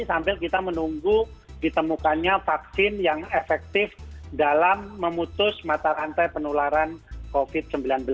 sambil kita menunggu ditemukannya vaksin yang efektif dalam memutus mata rantai penularan covid sembilan belas